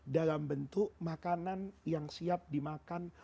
dalam bentuk makanan yang siap dimakan